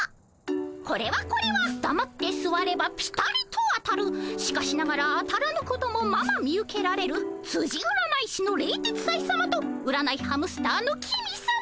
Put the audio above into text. これはこれはだまってすわればピタリと当たるしかしながら当たらぬこともまま見受けられるつじ占い師の冷徹斎さまと占いハムスターの公さま。